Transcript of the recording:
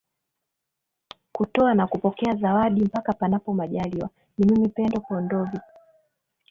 kutoa na kupokea zawadi mpaka panapo majaliwa ni mimi pendo pondovi